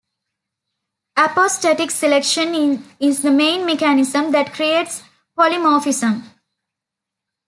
Apostatic selection is the main mechanism that creates polymorphism.